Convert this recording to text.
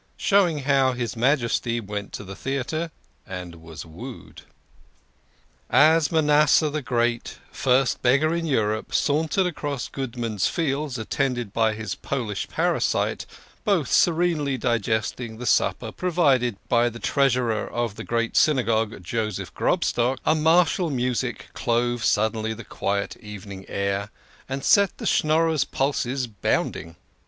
SHOWING HOW HIS MAJESTY WENT TO THE THEATRE AND WAS WOOED. As Manasseh the Great, first beggar in Europe, sauntered across Goodman's Fields, attended by his Polish parasite, both serenely digesting the supper provided by the Treas urer of the Great Synagogue, Joseph Grobstock, a mar tial music clove suddenly the quiet evening air, and set the Schnorrers 1 pulses bounding.